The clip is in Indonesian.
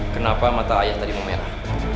kenapa mata ayah tadi memerah